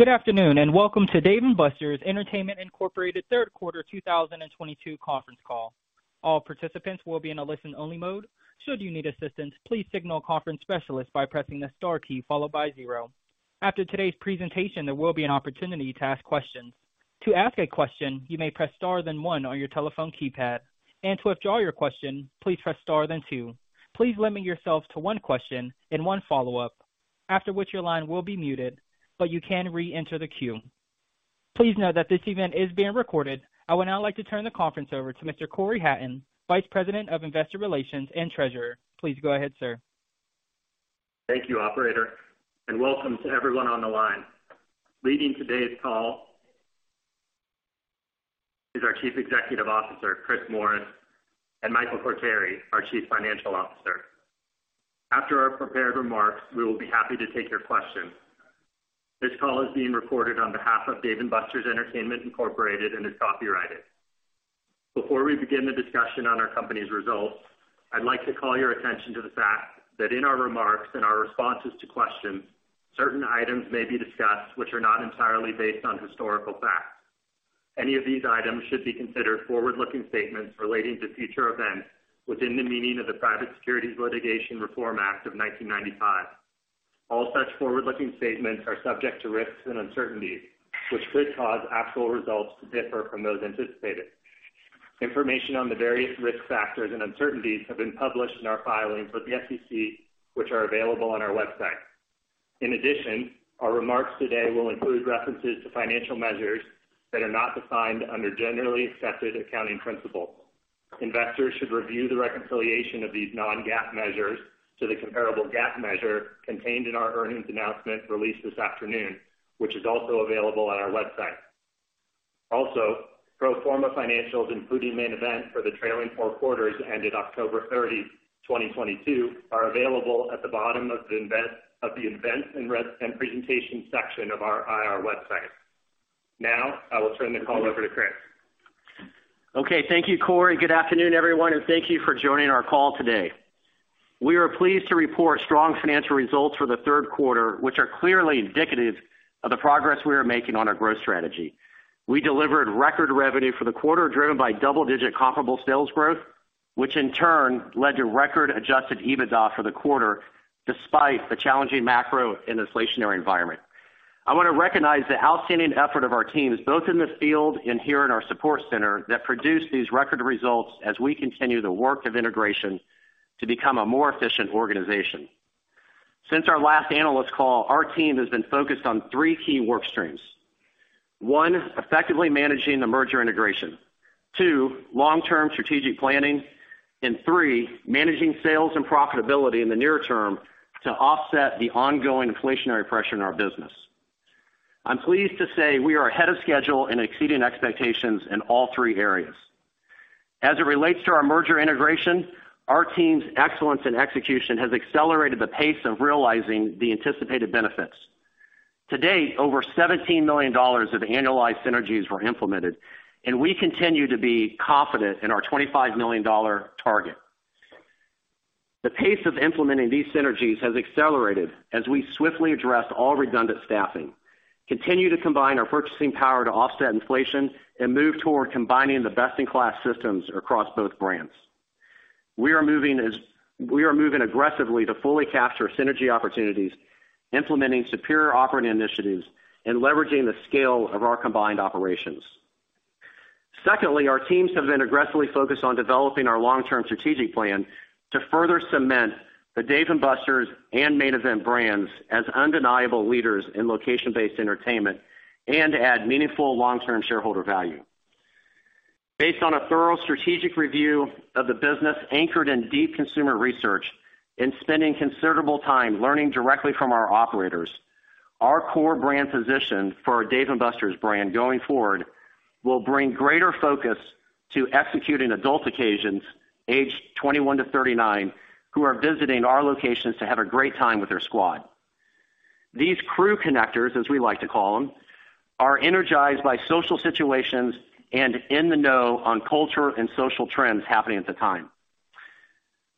Good afternoon, Welcome to Dave & Buster's Entertainment, Inc. Third Quarter 2022 Conference Call. All participants will be in a listen-only mode. Should you need assistance, please signal a conference specialist by pressing the star key followed by zero. After today's presentation, there will be an opportunity to ask questions. To ask a question, you may press star then one on your telephone keypad. To withdraw your question, please press star then two. Please limit yourselves to one question and one follow-up, after which your line will be muted, but you can re-enter the queue. Please note that this event is being recorded. I would now like to turn the conference over to Mr. Cory Hatton, Vice President of Investor Relations and Treasurer. Please go ahead, sir. Thank you, operator. Welcome to everyone on the line. Leading today's call is our Chief Executive Officer, Chris Morris, and Michael Quartieri, our Chief Financial Officer. After our prepared remarks, we will be happy to take your questions. This call is being recorded on behalf of Dave & Buster's Entertainment Incorporated and is copyrighted. Before we begin the discussion on our company's results, I'd like to call your attention to the fact that in our remarks and our responses to questions, certain items may be discussed which are not entirely based on historical facts. Any of these items should be considered forward-looking statements relating to future events within the meaning of the Private Securities Litigation Reform Act of 1995. All such forward-looking statements are subject to risks and uncertainties, which could cause actual results to differ from those anticipated. Information on the various risk factors and uncertainties have been published in our filings with the SEC, which are available on our website. Our remarks today will include references to financial measures that are not defined under generally accepted accounting principles. Investors should review the reconciliation of these non-GAAP measures to the comparable GAAP measure contained in our earnings announcement released this afternoon, which is also available on our website. Pro forma financials, including Main Event for the trailing 4 quarters ended October 30th, 2022, are available at the bottom of the events and presentation section of our IR website. I will turn the call over to Chris. Okay. Thank you, Cory. Good afternoon, everyone, and thank you for joining our call today. We are pleased to report strong financial results for the third quarter, which are clearly indicative of the progress we are making on our growth strategy. We delivered record revenue for the quarter driven by double-digit comparable sales growth, which in turn led to record adjusted EBITDA for the quarter despite the challenging macro in this inflationary environment. I wanna recognize the outstanding effort of our teams, both in the field and here in our support center, that produced these record results as we continue the work of integration to become a more efficient organization. Since our last analyst call, our team has been focused on three key work streams. One, effectively managing the merger integration. Two, long-term strategic planning. Three, managing sales and profitability in the near term to offset the ongoing inflationary pressure in our business. I'm pleased to say we are ahead of schedule in exceeding expectations in all three areas. As it relates to our merger integration, our team's excellence and execution has accelerated the pace of realizing the anticipated benefits. To date, over $17 million of annualized synergies were implemented, and we continue to be confident in our $25 million target. The pace of implementing these Synergies has accelerated as we swiftly address all redundant staffing, continue to combine our purchasing power to offset inflation, and move toward combining the best-in-class systems across both brands. We are moving aggressively to fully capture synergy opportunities, implementing superior operating initiatives and leveraging the scale of our combined operations. Our teams have been aggressively focused on developing our long-term strategic plan to further cement the Dave & Buster's and Main Event brands as undeniable leaders in location-based entertainment and add meaningful long-term shareholder value. Based on a thorough strategic review of the business anchored in deep consumer research and spending considerable time learning directly from our operators, our core brand position for our Dave & Buster's brand going forward will bring greater focus to executing adult occasions aged 21 to 39, who are visiting our locations to have a great time with their squad. These crew connectors, as we like to call them, are energized by social situations and in the know on culture and social trends happening at the time.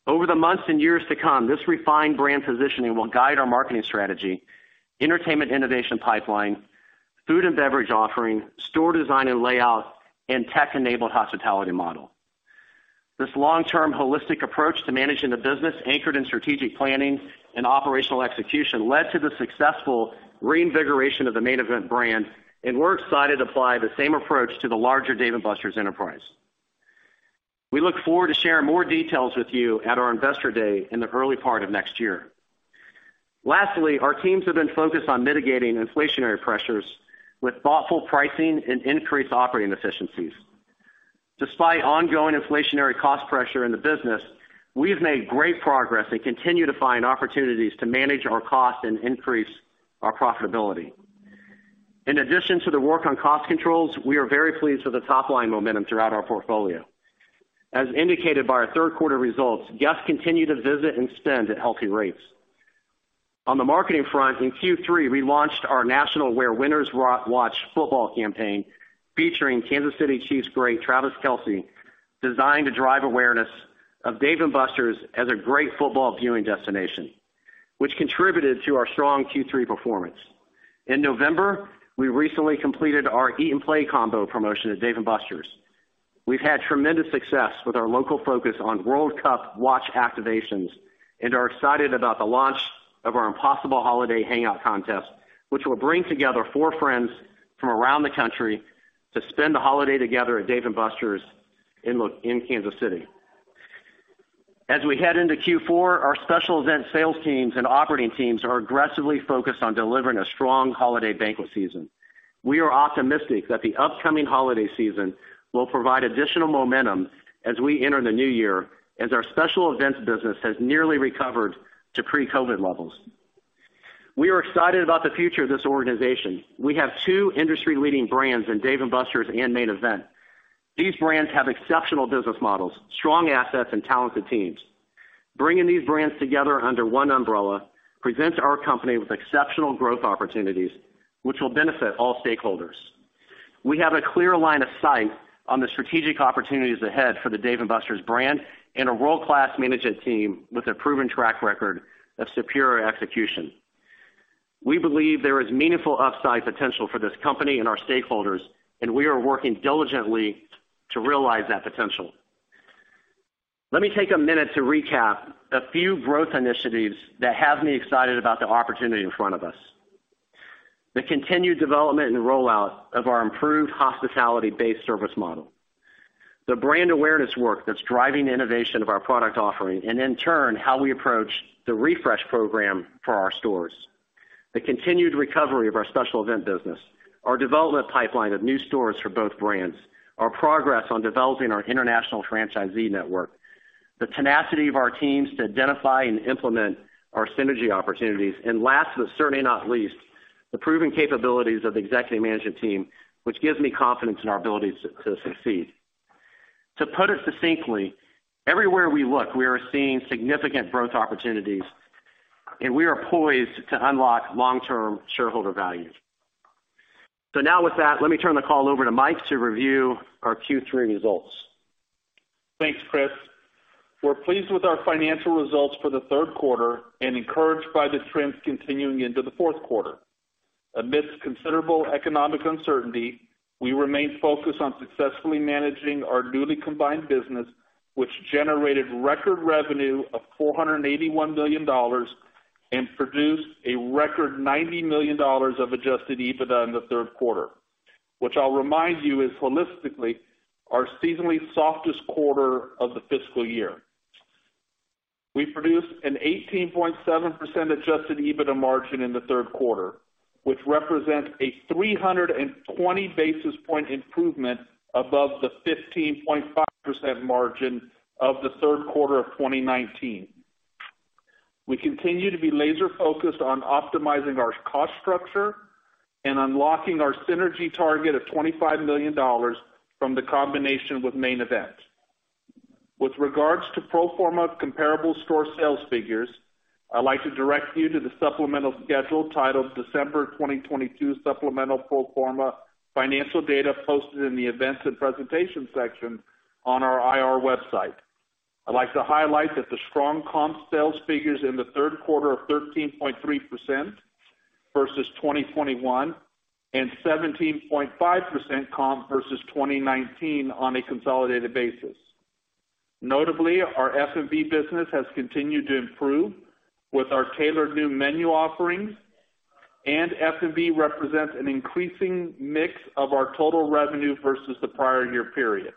Over the months and years to come, this refined brand positioning will guide our marketing strategy, entertainment innovation pipeline, food and beverage offering, store design and layout, and tech-enabled hospitality model. This long-term holistic approach to managing the business anchored in strategic planning and operational execution led to the successful reinvigoration of the Main Event brand, and we're excited to apply the same approach to the larger Dave & Buster's enterprise. We look forward to sharing more details with you at our Investor Day in the early part of next year. Lastly, our teams have been focused on mitigating inflationary pressures with thoughtful pricing and increased operating efficiencies. Despite ongoing inflationary cost pressure in the business, we've made great progress and continue to find opportunities to manage our cost and increase our profitability. In addition to the work on cost controls, we are very pleased with the top-line momentum throughout our portfolio. As indicated by our third quarter results, guests continue to visit and spend at healthy rates. On the marketing front, in Q3, we launched our national Where Winners Watch football campaign, featuring Kansas City Chiefs great Travis Kelce, designed to drive awareness of Dave & Buster's as a great football viewing destination, which contributed to our strong Q3 performance. In November, we recently completed our Eat & Play Combo promotion at Dave & Buster's. We've had tremendous success with our local focus on World Cup watch activations, and are excited about the launch of our Impossible Holiday Hangout contest, which will bring together four friends from around the country to spend the holiday together at Dave & Buster's in Kansas City. We head into Q4, our special event sales teams and operating teams are aggressively focused on delivering a strong holiday banquet season. We are optimistic that the upcoming holiday season will provide additional momentum as we enter the new year, as our special events business has nearly recovered to pre-COVID levels. We are excited about the future of this organization. We have two industry-leading brands in Dave & Buster's and Main Event. These brands have exceptional business models, strong assets, and talented teams. Bringing these brands together under one umbrella presents our company with exceptional growth opportunities, which will benefit all stakeholders. We have a clear line of sight on the strategic opportunities ahead for the Dave & Buster's brand and a world-class management team with a proven track record of superior execution. We believe there is meaningful upside potential for this company and our stakeholders, we are working diligently to realize that potential. Let me take a minute to recap a few growth initiatives that have me excited about the opportunity in front of us. The continued development and rollout of our improved hospitality-based service model. The brand awareness work that's driving innovation of our product offering, and in turn, how we approach the refresh program for our stores. The continued recovery of our special event business. Our development pipeline of new stores for both brands. Our progress on developing our international franchisee network. The tenacity of our teams to identify and implement our synergy opportunities. Last, but certainly not least, the proven capabilities of the executive management team, which gives me confidence in our ability to succeed. To put it succinctly, everywhere we look, we are seeing significant growth opportunities, and we are poised to unlock long-term shareholder value. Now with that, let me turn the call over to Mike to review our Q3 results. Thanks, Chris. We're pleased with our financial results for the third quarter and encouraged by the trends continuing into the fourth quarter. Amidst considerable economic uncertainty, we remain focused on successfully managing our newly combined business, which generated record revenue of $481 million and produced a record $90 million of adjusted EBITDA in the third quarter, which I'll remind you is holistically our Seasonally Softest quarter of the fiscal year. We produced an 18.7% adjusted EBITDA margin in the third quarter, which represents a 320 basis point improvement above the 15.5% margin of the third quarter of 2019. We continue to be laser focused on optimizing our cost structure and unlocking our synergy target of $25 million from the combination with Main Event. With regards to Pro forma Comparable Store Sales figures, I'd like to direct you to the supplemental schedule titled December 2022 Supplemental Pro Forma Financial Data posted in the Events and Presentation section on our IR website. I'd like to highlight that the strong comp sales figures in the third quarter of 13.3% versus 2021, and 17.5% comp versus 2019 on a consolidated basis. Notably, our F&B business has continued to improve with our tailored new menu offerings, and F&B represents an increasing mix of our total revenue versus the prior year period.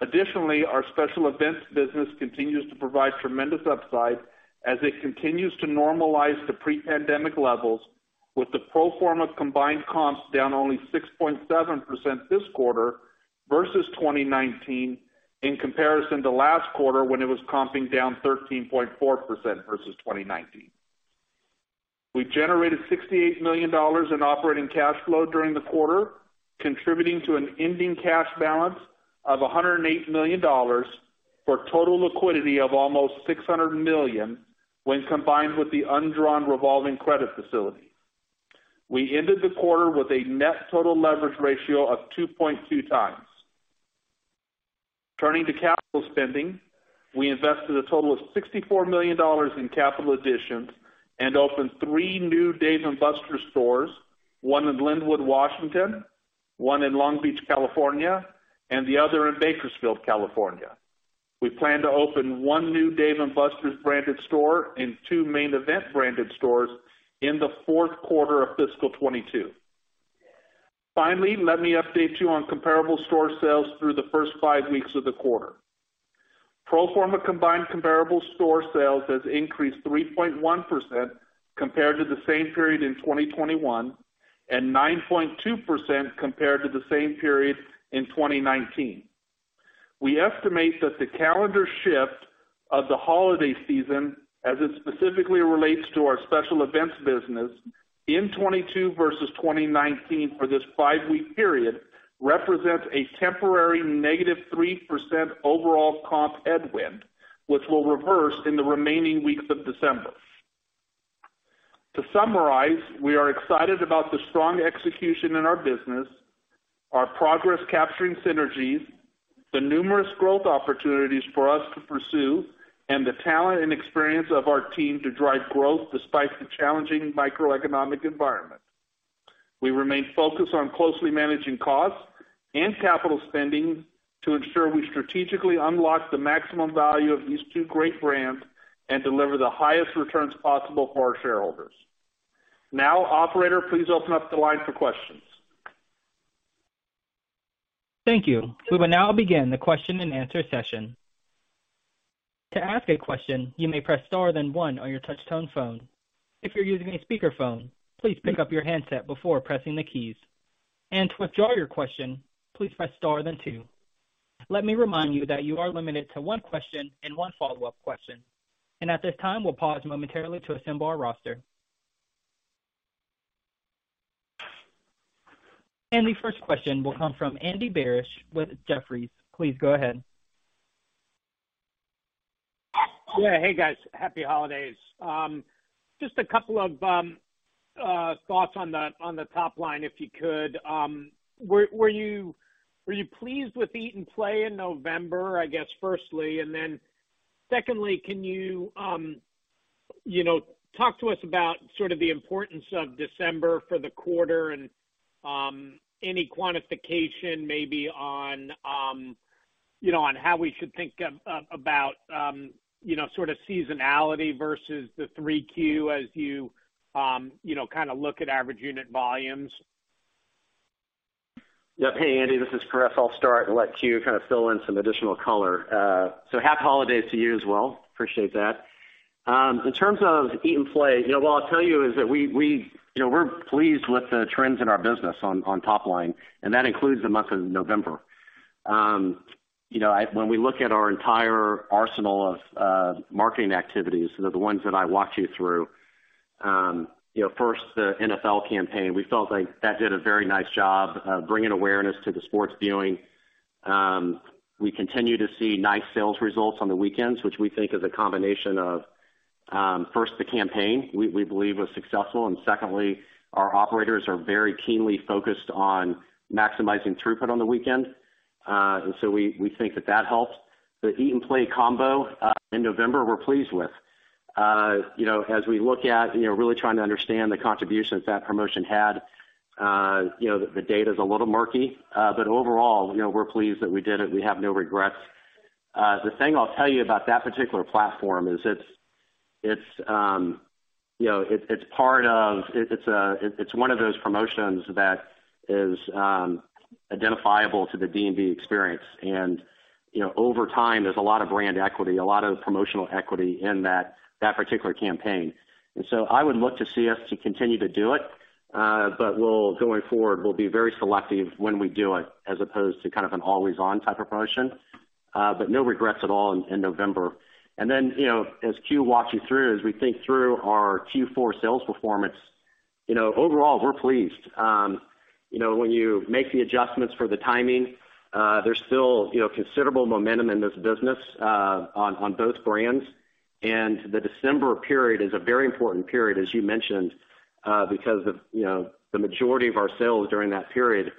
Additionally, our special events business continues to provide tremendous upside as it continues to normalize to pre-pandemic levels with the Pro Forma combined comps down only 6.7% this quarter versus 2019 in comparison to last quarter when it was comping down 13.4% versus 2019. We generated $68 million in operating cash flow during the quarter, contributing to an ending cash balance of $108 million for total liquidity of almost $600 million when combined with the undrawn revolving credit facility. We ended the quarter with a net total leverage ratio of 2.2x. Turning to capital spending, we invested a total of $64 million in capital additions and opened three new Dave & Buster stores, one in Lynnwood, Washington, one in Long Beach, California, and the other in Bakersfield, California. We plan to open one new Dave & Buster's branded store and two Main Event branded stores in the fourth quarter of fiscal 2022. Finally, let me update you on Comparable Store Sales through the first five weeks of the quarter. Pro Forma combined Comparable Store Sales has increased 3.1% compared to the same period in 2021, and 9.2% compared to the same period in 2019. We estimate that the Calendar Shift of the holiday season, as it specifically relates to our special events business in 22 versus 2019 for this five-week period, represents a temporary -3% overall comp headwind, which will reverse in the remaining weeks of December. To summarize, we are excited about the strong execution in our business, our progress capturing synergies, the numerous growth opportunities for us to pursue, and the talent and experience of our team to drive growth despite the challenging macroeconomic environment. We remain focused on closely managing costs and capital spending to ensure we strategically unlock the maximum value of these two great brands and deliver the highest returns possible for our shareholders. Operator, please open up the line for questions. Thank you. We will now begin the question and answer session. To ask a question, you may press star then one on your touch-tone phone. If you're using a speakerphone, please pick up your handset before pressing the keys. To withdraw your question, please press star then two. Let me remind you that you are limited to one question and one follow-up question. At this time, we'll pause momentarily to assemble our roster. The first question will come from Andy Barish with Jefferies. Please go ahead. Yeah. Hey, guys Happy holidays. Just a couple of thoughts on the top line, if you could. Were you pleased with Eat & Play in November, I guess, firstly? Secondly, can you know, talk to us about sort of the importance of December for the quarter and any quantification maybe on, you know, on how we should think about, you know, sort of seasonality versus the 3Q as you know, kinda look at average unit volumes. Hey, Andy Barish, this is Chris I'll start and let Q kinda fill in some additional color. Happy holidays to you as well. Appreciate that. In terms of Eat & Play Combo, you know, what I'll tell you is that we, you know, we're pleased with the trends in our business on top line, and that includes the month of November. You know, when we look at our entire arsenal of marketing activities, the ones that I walked you through, you know, first the NFL campaign, we felt like that did a very nice job of bringing awareness to the sports viewing. We continue to see nice sales results on the weekends, which we think is a combination of first, the campaign we believe was successful. Secondly, our operators are very keenly focused on maximizing throughput on the weekend. We think that helped. The Eat & Play Combo in November, we're pleased with. You know, as we look at, you know, really trying to understand the contribution that promotion had, you know, the data's a little murky. Overall, you know, we're pleased that we did it. We have no regrets. The thing I'll tell you about that particular platform is it's, you know, it's one of those promotions that is identifiable to the D&B experience. You know, over time, there's a lot of brand equity, a lot of promotional equity in that particular campaign. I would look to see us to continue to do it. Going forward, we'll be very selective when we do it, as opposed to kind of an always-on type of promotion. No regrets at all in November. You know, as Q walked you through, as we think through our Q4 sales performance, you know, overall we're pleased. You know, when you make the adjustments for the timing, there's still, you know, considerable momentum in this business, on both brands. The December period is a very important period, as you mentioned, because of, you know, the majority of our sales during that period,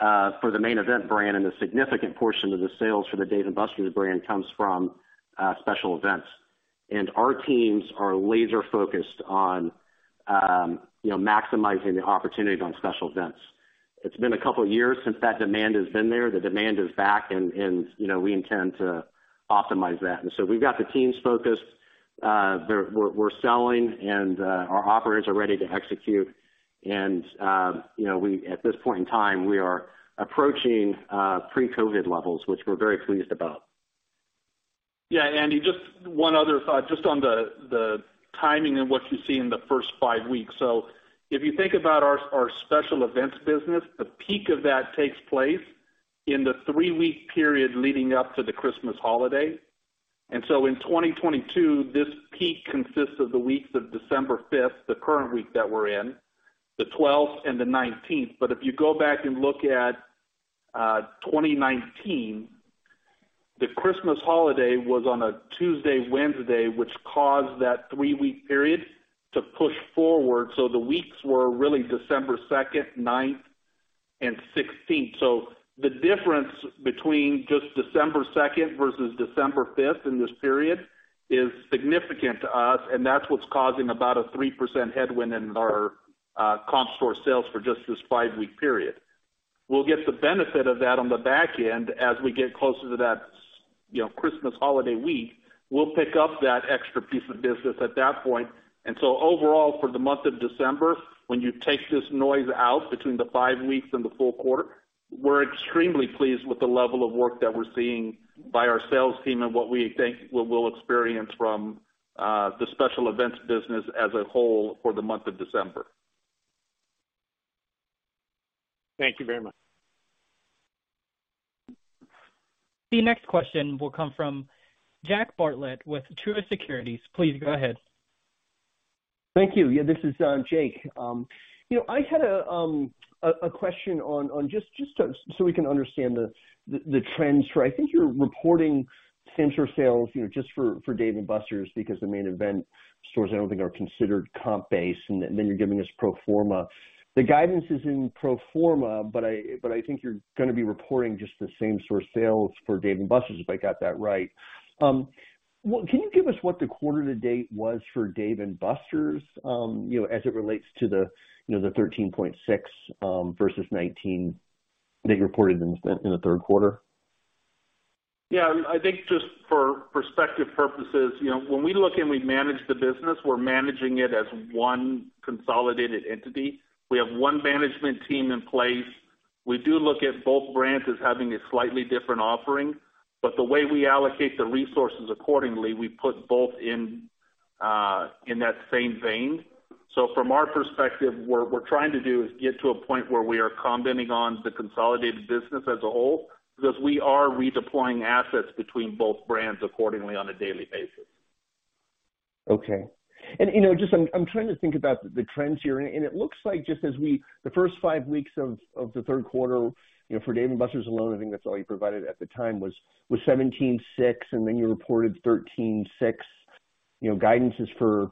for the Main Event brand and a significant portion of the sales for the Dave & Buster's brand comes from special events. Our teams are laser focused on, you know, maximizing the opportunities on special events. It's been a couple of years since that demand has been there. The demand is back and, you know, we intend to optimize that. We've got the teams focused, we're selling and our operators are ready to execute. You know, at this point in time, we are approaching pre-COVID levels, which we're very pleased about. Yeah. Andy, just one other thought just on the timing and what you see in the first 5 weeks. If you think about our special events business, the peak of that takes place in the three-week period leading up to the Christmas holiday. In 2022, this peak consists of the weeks of December 5th, the current week that we're in, the 12th and the 19th. If you go back and look at 2019, the Christmas holiday was on a Tuesday, Wednesday, which caused that three-week period to push forward. The weeks were really December 2nd, 9th, and 16th. The difference between just December 2nd versus December 5th in this period is significant to us, and that's what's causing about a 3% headwind in our comp store sales for just this five-week period. We'll get the benefit of that on the back end as we get closer to that, you know, Christmas holiday week. We'll pick up that extra piece of business at that point. Overall, for the month of December, when you take this noise out between the five weeks and the full quarter, we're extremely pleased with the level of work that we're seeing by our sales team and what we think we will experience from the special events business as a whole for the month of December. Thank you very much. The next question will come from Jake Bartlett with Truist Securities. Please go ahead. Thank you. This is Jake. you know, I had a question on just so we can understand the trends for I think you're reporting same store sales, you know, just for Dave & Buster's because the Main Event stores, I don't think are considered comp base, and then you're giving us Pro forma. The guidance is in Pro forma, but I think you're gonna be reporting just the same store sales for Dave & Buster's, if I got that right. What can you give us what the quarter to date was for Dave & Buster's, you know, as it relates to the, you know, the 13.6 versus 19 that you reported in the third quarter? Yeah, I think just for perspective purposes, you know, when we look and we manage the business, we're managing it as one consolidated entity. We have one management team in place. We do look at both brands as having a slightly different offering, the way we allocate the resources accordingly, we put both in that same vein. From our perspective, what we're trying to do is get to a point where we are commenting on the consolidated business as a whole because we are redeploying assets between both brands accordingly on a daily basis. Okay. You know, just I'm trying to think about the trends here, and it looks like the first five weeks of the third quarter, you know, for Dave & Buster's alone, I think that's all you provided at the time, was 17.6%, and then you reported 13.6%. You know, guidance is for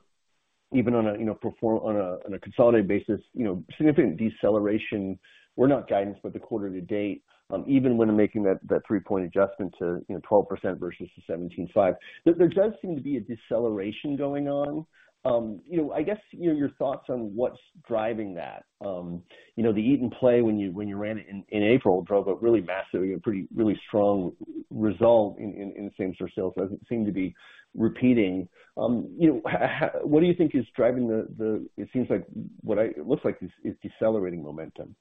even on a, you know, perform on a, on a consolidated basis, you know, significant deceleration. We're not guidance, but the quarter to date, even when making that three-point adjustment to, you know, 12% versus the 17.5%. There does seem to be a deceleration going on. You know, I guess, you know, your thoughts on what's driving that? you know, the Eat & Play when you ran it in April drove a really massive, a pretty really strong result in same store sales doesn't seem to be repeating. you know, how... what do you think is driving the-- it seems like it looks like it's decelerating momentum?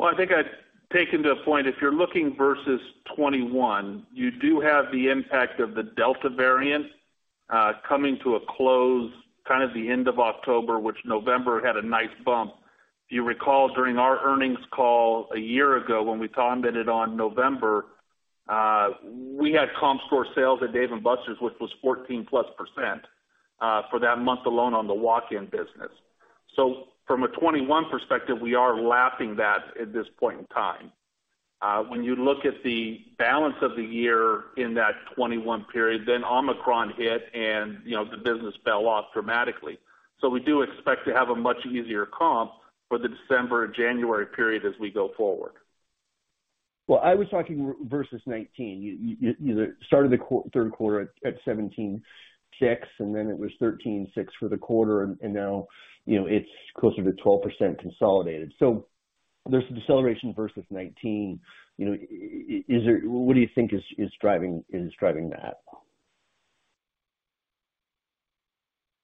I think I'd taken to a point, if you're looking versus 2021, you do have the impact of the Delta variant, coming to a close kind of the end of October, which November had a nice bump. If you recall, during our earnings call a year ago when we commented on November, we had comp store sales at Dave & Buster's, which was +14% for that month alone on the walk-in business. From a 2021 perspective, we are lapping that at this point in time. You look at the balance of the year in that 2021 period, Omicron hit and, you know, the business fell off dramatically. We do expect to have a much easier comp for the December, January period as we go forward. Well, I was talking versus 2019. You started the third quarter at 17.6%, and then it was 13.6% for the quarter, and now, you know, it's closer to 12% consolidated. There's a deceleration versus 2019, you know, what do you think is driving that?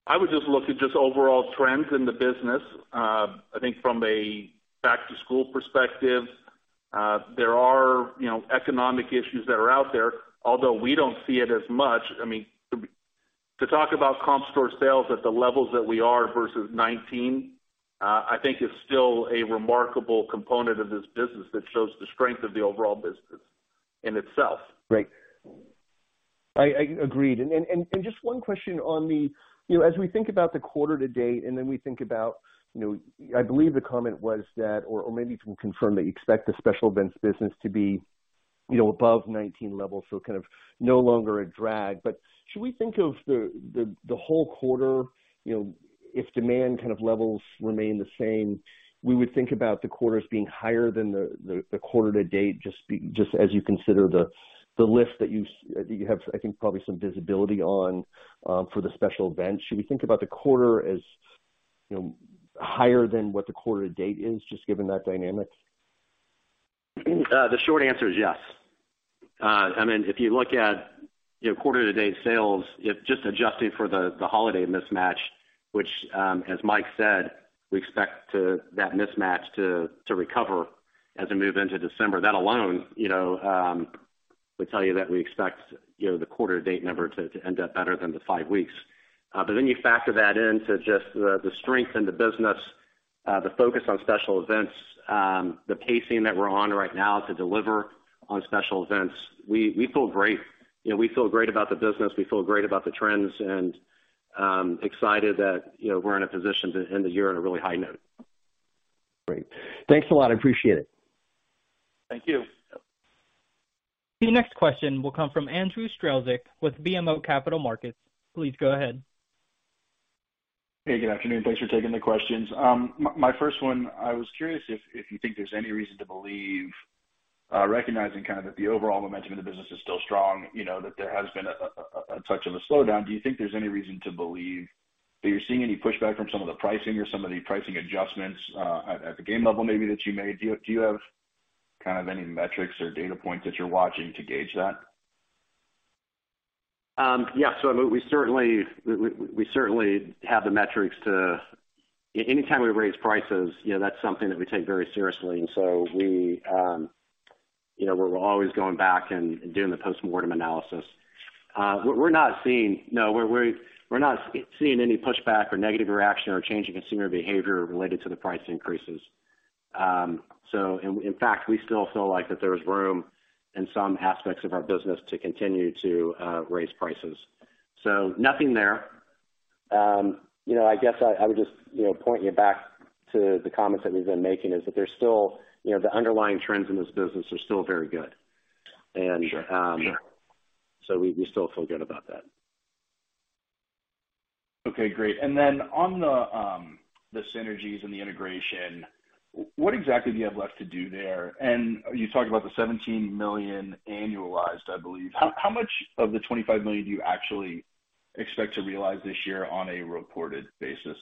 I would just look at just overall trends in the business. I think from a back-to-school perspective, there are, you know, economic issues that are out there, although we don't see it as much. I mean, to talk about comp store sales at the levels that we are versus 19, I think is still a remarkable component of this business that shows the strength of the overall business in itself. Right. I agreed. just one question on the, you know, as we think about the quarter to date, and then we think about, you know, I believe the comment was that or maybe you can confirm that you expect the special events business to be, you know, above 19 levels, so kind of no longer a drag. Should we think of the whole quarter, you know, if demand kind of levels remain the same, we would think about the quarters being higher than the quarter to date, just as you consider the lift that you have, I think, probably some visibility on for the special event? Should we think about the quarter as, you know, higher than what the quarter to date is just given that dynamic? The short answer is yes. I mean, if you look at, you know, quarter-to-date sales, if just adjusting for the holiday mismatch, which, as Mike said, we expect that mismatch to recover as we move into December. That alone, you know, would tell you that we expect, you know, the quarter-to-date number to end up better than the five weeks. You factor that in to just the strength in the business, the focus on special events, the pacing that we're on right now to deliver on special events. We feel great. You know, we feel great about the business, we feel great about the trends and excited that, you know, we're in a position to end the year on a really high note. Great. Thanks a lot. I appreciate it. Thank you. The next question will come from Andrew Strelzik with BMO Capital Markets. Please go ahead. Hey, good afternoon. Thanks for taking the questions. My first one, I was curious if you think there's any reason to believe, recognizing kind of that the overall momentum of the business is still strong, you know, that there has been a touch of a slowdown. Do you think there's any reason to believe that you're seeing any pushback from some of the pricing or some of the pricing adjustments at the game level maybe that you made? Do you have kind of any metrics or data points that you're watching to gauge that? Yeah. I mean, we certainly have the metrics to... Anytime we raise prices, you know, that's something that we take very seriously. We, you know, we're always going back and doing the postmortem analysis. We're not seeing, no, we're not seeing any pushback or negative reaction or change in consumer behavior related to the price increases. In fact, we still feel like that there's room in some aspects of our business to continue to raise prices. Nothing there. You know, I guess I would just, you know, point you back to the comments that we've been making is that there's still, you know, the underlying trends in this business are still very good. We still feel good about that. Okay, great. On the Synergies and the integration, what exactly do you have left to do there? You talked about the $17 million annualized, I believe. How much of the $25 million do you actually expect to realize this year on a reported basis?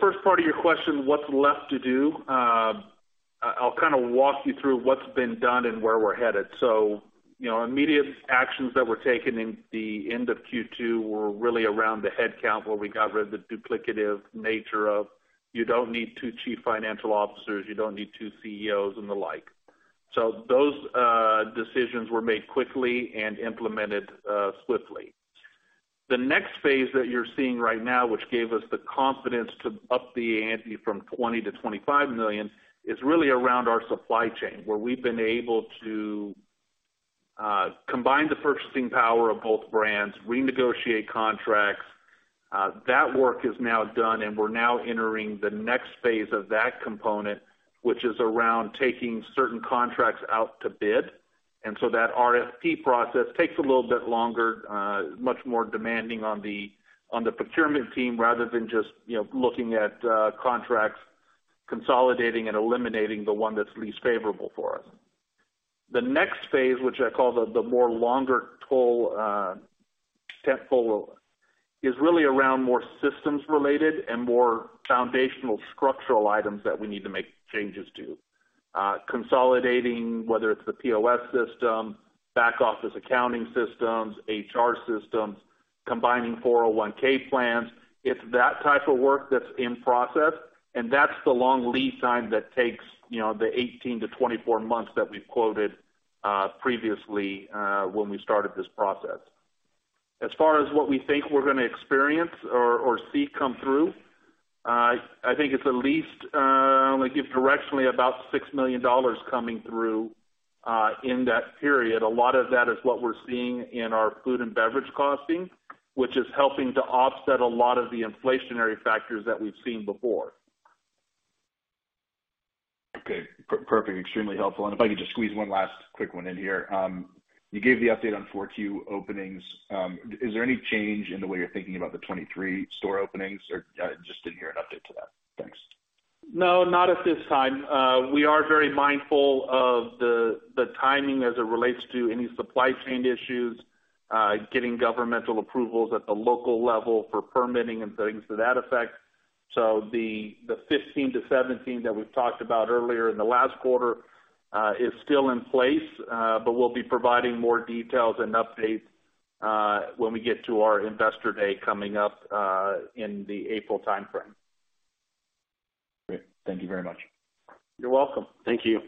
First part of your question, what's left to do? I'll kind of walk you through what's been done and where we're headed. You know, immediate actions that were taken in the end of Q2 were really around the headcount, where we got rid of the duplicative nature of you don't need two Chief Financial Officers, you don't need two CEOs and the like. Those decisions were made quickly and implemented swiftly. The next phase that you're seeing right now, which gave us the confidence to up the ante from $20 million-$25 million, is really around our supply chain, where we've been able to combine the purchasing power of both brands, renegotiate contracts. That work is now done, and we're now entering the next phase of that component, which is around taking certain contracts out to bid. That RFP process takes a little bit longer, much more demanding on the, on the procurement team rather than just, you know, looking at contracts, consolidating and eliminating the one that's least favorable for us. The next phase, which I call the more long-haul, step forward, is really around more systems related and more foundational structural items that we need to make changes to. Consolidating, whether it's the POS system, back office accounting systems, HR systems, combining 401(k) plans. It's that type of work that's in process, and that's the long lead time that takes, you know, the 18-24 months that we've quoted previously when we started this process. As far as what we think we're gonna experience or see come through, I think it's at least, I'm gonna give directionally about $6 million coming through, in that period. A lot of that is what we're seeing in our food and beverage costing, which is helping to offset a lot of the inflationary factors that we've seen before. Okay. Perfect. Extremely helpful. If I could just squeeze one last quick one in here. You gave the update on 4Q openings. Is there any change in the way you're thinking about the 23 store openings or just didn't hear an update to that? Thanks. No, not at this time. We are very mindful of the timing as it relates to any supply chain issues, getting governmental approvals at the local level for permitting and things to that effect. The 15-17 that we've talked about earlier in the last quarter, is still in place, but we'll be providing more details and updates, when we get to our investor day coming up, in the April timeframe. Great. Thank you very much. You're welcome. Thank you.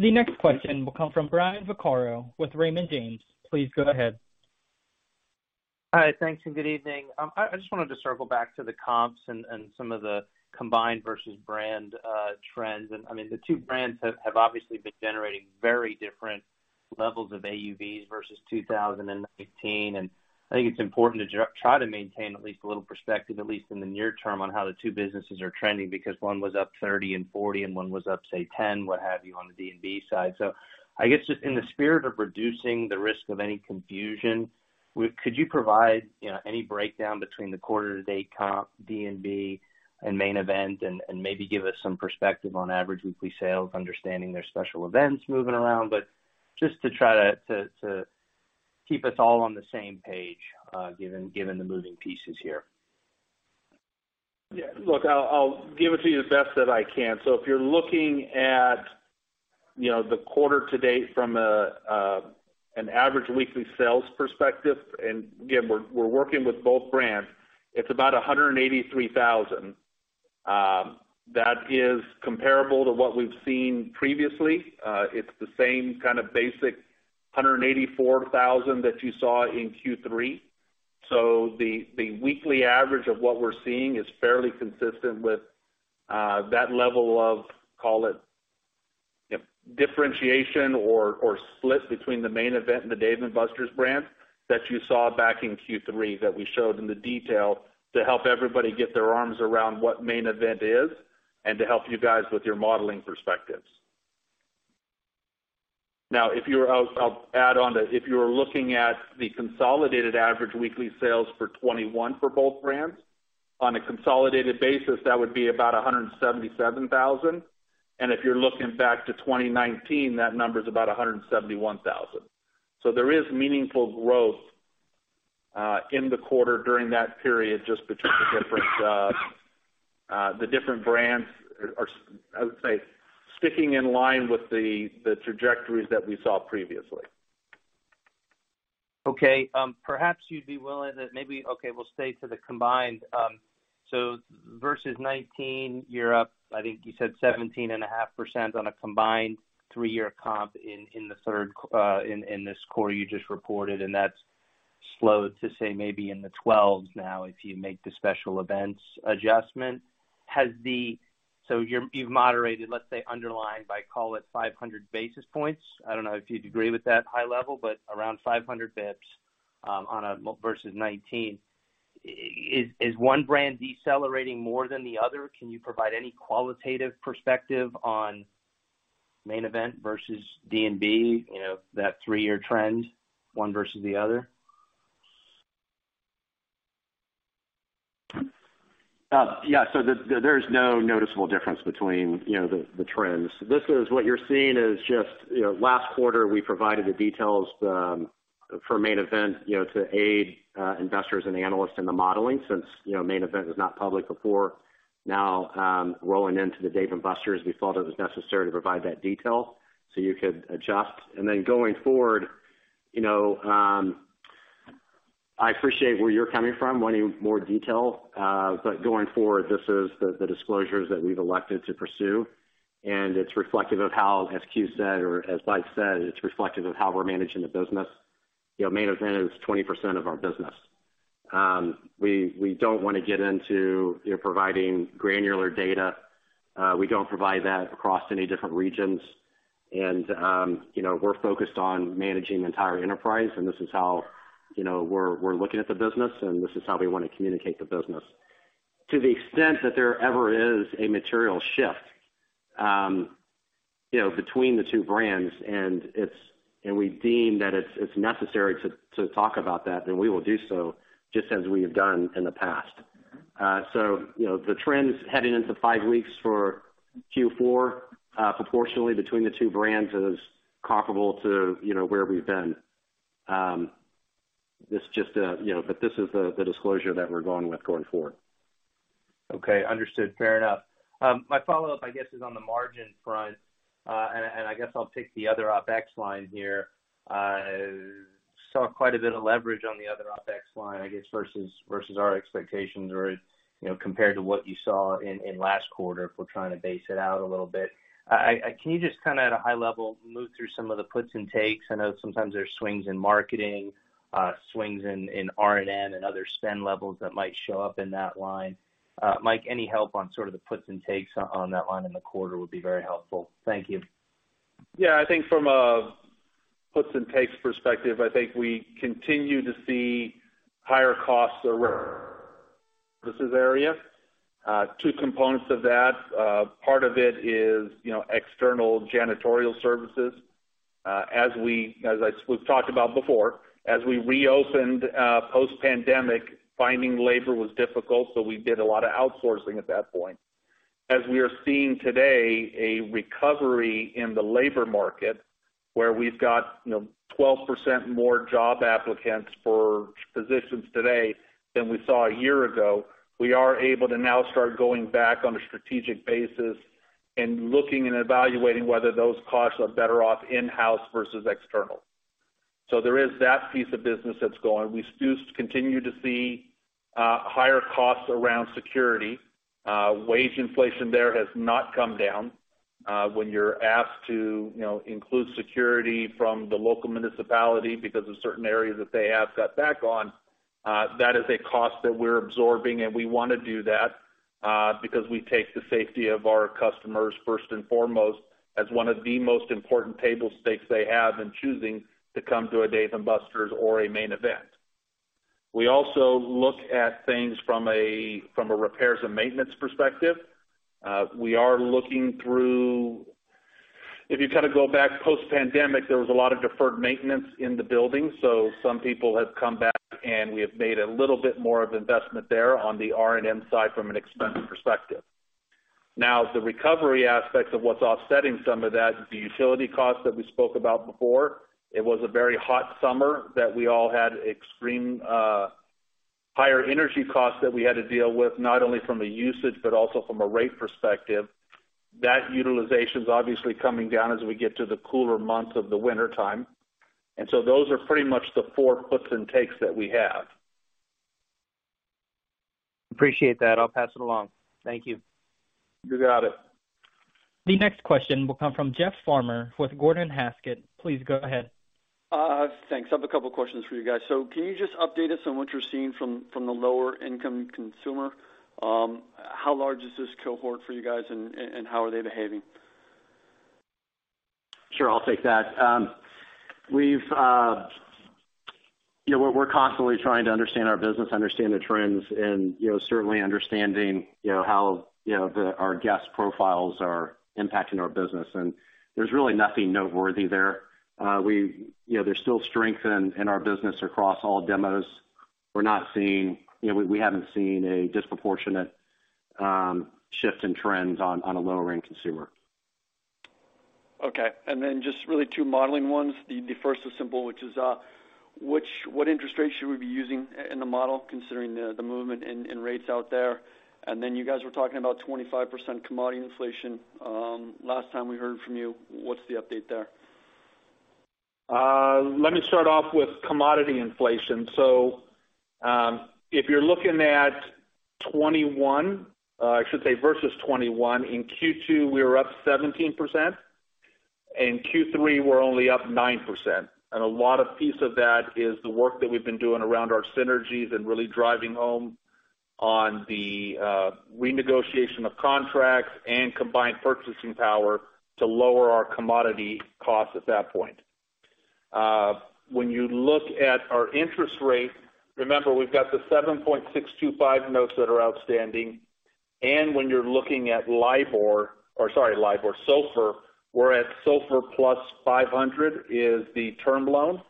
The next question will come from Brian Vaccaro with Raymond James. Please go ahead. Hi, thanks and good evening. I just wanted to circle back to the comps and some of the combined versus brand trends. I mean, the two brands have obviously been generating very different levels of AUVs versus 2019. I think it's important to try to maintain at least a little perspective, at least in the near term, on how the two businesses are trending, because one was up 30% and 40% and one was up, say, 10%, what have you, on the D&B side. I guess just in the spirit of reducing the risk of any confusion, could you provide, you know, any breakdown between the quarter to date comp D&B and Main Event and maybe give us some perspective on average weekly sales, understanding their special events moving around, but just to try to keep us all on the same page, given the moving pieces here. Yeah. Look, I'll give it to you the best that I can. If you're looking at, you know, the quarter to date from an average weekly sales perspective, and again, we're working with both brands, it's about $183,000, that is comparable to what we've seen previously. It's the same kind of basic $184,000 that you saw in Q3. The weekly average of what we're seeing is fairly consistent with that level of, call it, yep, differentiation or split between the Main Event and the Dave & Buster's brands that you saw back in Q3 that we showed in the detail to help everybody get their arms around what Main Event is and to help you guys with your modeling perspectives. If you're looking at the consolidated average weekly sales for 2021 for both brands, on a consolidated basis, that would be about $177,000. If you're looking back to 2019, that number is about $171,000. There is meaningful growth in the quarter during that period, just between the different brands I would say, sticking in line with the trajectories that we saw previously. Okay. perhaps you'd be willing to maybe... Okay, we'll stay to the combined. Versus 2019, you're up, I think you said 17.5% on a combined three-year comp in the third quarter in this quarter you just reported, and that's slowed to, say, maybe in the 12% now if you make the special events adjustment. Has the... You're, you've moderated, let's say, underlying by, call it, 500 basis points. I don't know if you'd agree with that high level, but around 500 basis points, on a versus 2019. Is one brand decelerating more than the other? Can you provide any qualitative perspective on Main Event versus D&B, you know, that three-year trend, one versus the other? Yeah. The, there is no noticeable difference between, you know, the trends. This is, what you're seeing is just, you know, last quarter, we provided the details for Main Event, you know, to aid investors and analysts in the modeling since, you know, Main Event was not public before. Now, rolling into the Dave & Buster's, we thought it was necessary to provide that detail so you could adjust. Then going forward, you know, I appreciate where you're coming from, wanting more detail. Going forward, this is the disclosures that we've elected to pursue, and it's reflective of how, as Q said or as Mike said, it's reflective of how we're managing the business. You know, Main Event is 20% of our business. We, we don't wanna get into, you know, providing granular data. We don't provide that across any different regions. You know, we're focused on managing the entire enterprise, and this is how, you know, we're looking at the business, and this is how we wanna communicate the business. To the extent that there ever is a material shift, you know, between the two brands and we deem that it's necessary to talk about that, then we will do so just as we have done in the past. You know, the trends heading into five weeks for Q4, proportionally between the two brands is comparable to, you know, where we've been. This just, you know, this is the disclosure that we're going with going forward. Okay. Understood. Fair enough. My follow-up, I guess, is on the margin front. I guess I'll pick the other OpEx line here. Saw quite a bit of leverage on the other OpEx line, I guess, versus our expectations or, you know, compared to what you saw in last quarter if we're trying to base it out a little bit. Can you just kind of at a high level move through some of the puts and takes? I know sometimes there's swings in marketing, swings in R&N and other spend levels that might show up in that line. Mike, any help on sort of the puts and takes on that line in the quarter would be very helpful. Thank you. Yeah. I think from a puts and takes perspective, I think we continue to see higher costs around this area. Two components of that. Part of it is, you know, external janitorial services. As we, as I, we've talked about before, as we reopened, post-pandemic, finding labor was difficult, so we did a lot of outsourcing at that point. As we are seeing today a recovery in the labor market where we've got, you know, 12% more job applicants for positions today than we saw a year ago, we are able to now start going back on a strategic basis and looking and evaluating whether those costs are better off in-house versus external. There is that piece of business that's going. We still continue to see, higher costs around security. Wage inflation there has not come down. When you're asked to, you know, include security from the local municipality because of certain areas that they have cut back on, that is a cost that we're absorbing, and we wanna do that, because we take the safety of our customers first and foremost as one of the most important table stakes they have in choosing to come to a Dave & Buster's or a Main Event. We also look at things from a, from a repairs and maintenance perspective. We are looking through... If you kind of go back post-pandemic, there was a lot of deferred maintenance in the building. Some people have come back, and we have made a little bit more of investment there on the R&M side from an expense perspective. The recovery aspects of what's offsetting some of that is the utility costs that we spoke about before. It was a very hot summer that we all had extreme, higher energy costs that we had to deal with, not only from a usage but also from a rate perspective. That utilization's obviously coming down as we get to the cooler months of the wintertime. Those are pretty much the four puts and takes that we have. Appreciate that. I'll pass it along. Thank you. You got it. The next question will come from Jeff Farmer with Gordon Haskett. Please go ahead. Thanks. I have a couple questions for you guys. Can you just update us on what you're seeing from the lower income consumer? How large is this cohort for you guys and how are they behaving? Sure. I'll take that. We've, you know, we're constantly trying to understand our business, understand the trends and, you know, certainly understanding, you know, how, you know, our guest profiles are impacting our business. There's really nothing noteworthy there. We, you know, there's still strength in our business across all demos. We're not seeing, you know, we haven't seen a disproportionate shift in trends on a lower end consumer. Okay. Just really two modeling ones. The first is simple, what interest rate should we be using in the model considering the movement in rates out there? You guys were talking about 25% commodity inflation last time we heard from you. What's the update there? Let me start off with commodity inflation. If you're looking at 2021, I should say versus 2021, in Q2 we were up 17%. In Q3 we're only up 9%. A lot of piece of that is the work that we've been doing around our Synergies and really driving home on the renegotiation of contracts and combined purchasing power to lower our commodity costs at that point. When you look at our interest rate, remember, we've got the 7.625 notes that are outstanding. When you're looking at LIBOR or sorry, LIBOR, SOFR, we're at SOFR +500 is the term loan.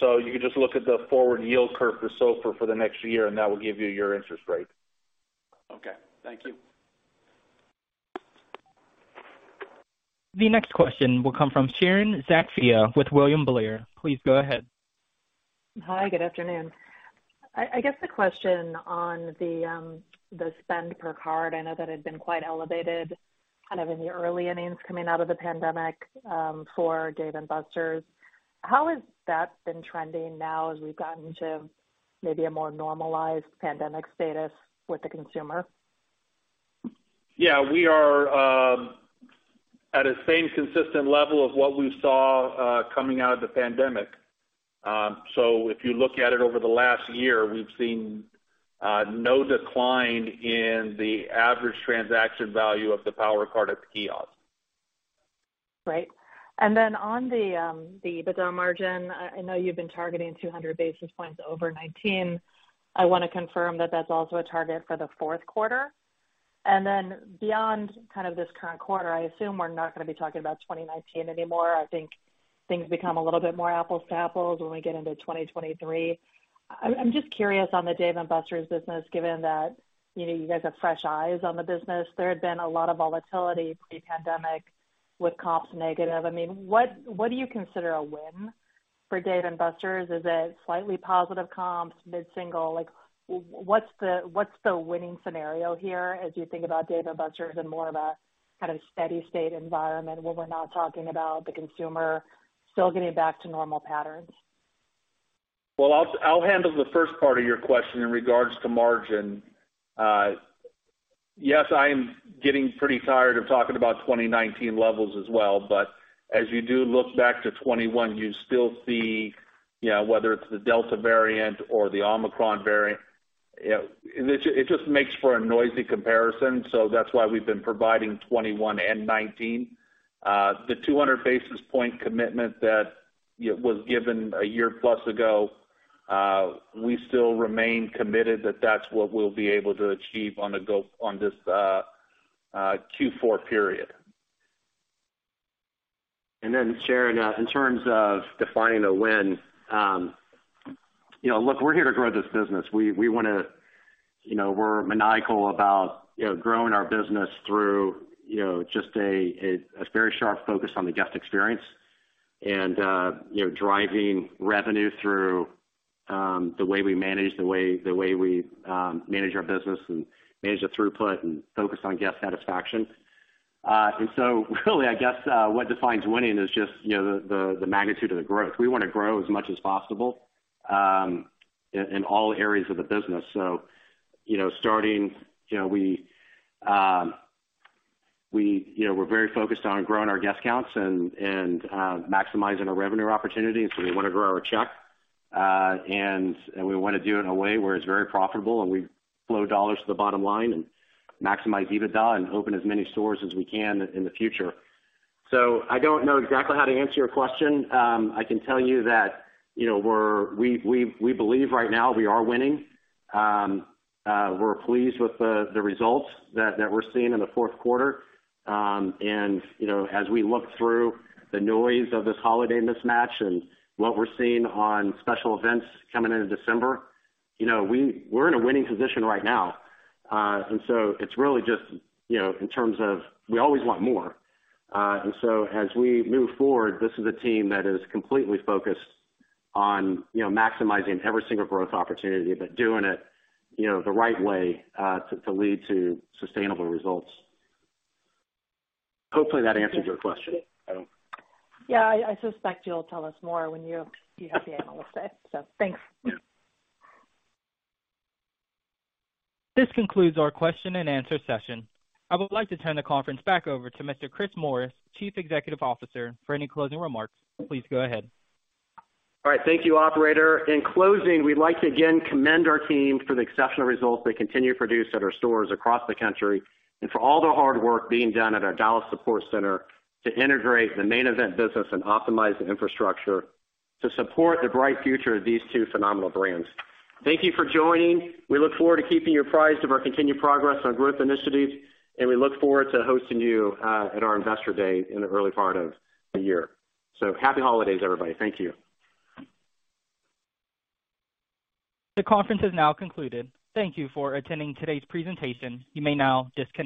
You can just look at the forward yield curve for SOFR for the next year, and that will give you your interest rate. Okay. Thank you. The next question will come from Sharon Zackfia with William Blair. Please go ahead. Hi, good afternoon. I guess the question on the spend per card, I know that had been quite elevated kind of in the early innings coming out of the pandemic, for Dave & Buster's. How has that been trending now as we've gotten to maybe a more normalized pandemic status with the consumer? Yeah, we are at a same consistent level of what we saw coming out of the pandemic. If you look at it over the last year, we've seen no decline in the average transaction value of the Power Card at the kiosk. Right. And then on the EBITDA margin, I know you've been targeting 200 basis points over 2019. I wanna confirm that that's also a target for the fourth quarter. Then beyond kind of this current quarter, I assume we're not gonna be talking about 2019 anymore. I think things become a little bit more apples to apples when we get into 2023. I'm just curious on the Dave & Buster's business, given that, you know, you guys have fresh eyes on the business. There had been a lot of volatility pre-pandemic with comps negative. I mean, what do you consider a win for Dave & Buster's? Is it slightly positive comps, mid-single? Like, what's the winning scenario here as you think about Dave & Buster's in more of a kind of steady state environment where we're not talking about the consumer still getting back to normal patterns? I'll handle the first part of your question in regards to margin. Yes, I am getting pretty tired of talking about 2019 levels as well, but as you do look back to 2021, you still see, you know, whether it's the Delta variant or the Omicron variant. You know, it just makes for a noisy comparison, so that's why we've been providing 2021 and 2019. The 200 basis point commitment that was given a year plus ago, we still remain committed that that's what we'll be able to achieve on this Q4 period. Sharon, in terms of defining a win, you know, look, we're here to grow this business. We wanna, you know, we're maniacal about, you know, growing our business through a very sharp focus on the guest experience and, you know, driving revenue through the way we manage our business and manage the throughput and focus on guest satisfaction. Really, I guess, what defines winning is just, you know, the magnitude of the growth. We wanna grow as much as possible in all areas of the business. You know, starting, you know, we, you know, we're very focused on growing our guest counts and maximizing our revenue opportunities. We wanna grow our check, and we wanna do it in a way where it's very profitable and we flow dollars to the bottom line and maximize EBITDA and open as many stores as we can in the future. I don't know exactly how to answer your question. I can tell you that, you know, we believe right now we are winning. We're pleased with the results that we're seeing in the fourth quarter. You know, as we look through the noise of this holiday mismatch and what we're seeing on special events coming into December, you know, we're in a winning position right now. It's really just, you know, in terms of we always want more. As we move forward, this is a team that is completely focused on, you know, maximizing every single growth opportunity, but doing it, you know, the right way, to lead to sustainable results. Hopefully that answers your question. Yeah, I suspect you'll tell us more when you have the Analyst Day. Thanks. This concludes our question and answer session. I would like to turn the conference back over to Mr. Chris Morris, Chief Executive Officer, for any closing remarks. Please go ahead. All right. Thank you, operator. In closing, we'd like to again commend our team for the exceptional results they continue to produce at our stores across the country and for all the hard work being done at our Dallas Support Center to integrate the Main Event business and optimize the infrastructure to support the bright future of these two phenomenal brands. Thank you for joining. We look forward to keeping you apprised of our continued progress on growth initiatives, and we look forward to hosting you at our Investor Day in the early part of the year. Happy holidays, everybody. Thank you. The conference has now concluded. Thank you for attending today's presentation. You may now disconnect.